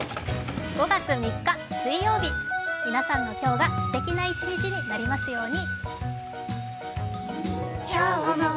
５月３日の水曜日、皆さんの今日がすてきな一日になりますように。